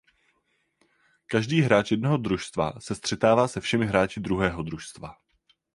Každý hráč jednoho družstva se střetává se všemi hráči druhého družstva.